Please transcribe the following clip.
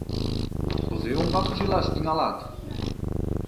Кузе умбакыже илаш тӱҥалат?!